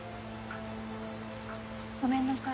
ごめんなさい。